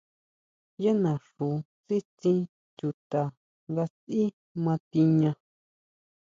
Yá naxú sitsín chuta nga sʼí ma tiña.